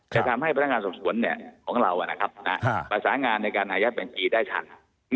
จะทำให้พนักงานสวนสวนเนี่ยของเรานะครับภาษางานในการอายัดบัญชีได้ทัน